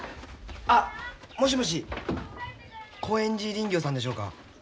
あもしもし興園寺林業さんでしょうか？